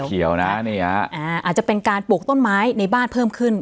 เขียวนะนี่ฮะอ่าอาจจะเป็นการปลูกต้นไม้ในบ้านเพิ่มขึ้น